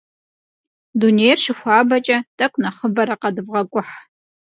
Дунейр щыхуабэкӏэ, тӏэкӏу нэхъыбэрэ къэдывгъэкӏухь.